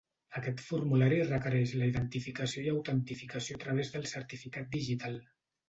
Aquest formulari requereix la identificació i autentificació a través de certificat digital.